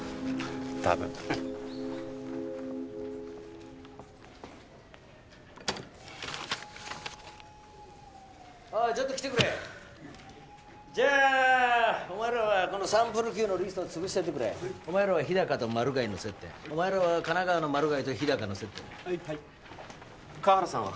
たぶんおいちょっと来てくれじゃあお前らはこのサンプルＱのリストを潰してってくれお前らは日高とマル害の接点お前らは神奈川のマル害と日高の接点・はい河原さんは？